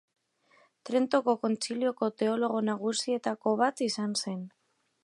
Trentoko Kontzilioko teologo nagusietako bat izan zen.